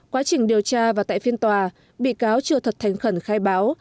quá trình điều tra và tại phiên tòa bị cáo chưa thật thành khẩn khai báo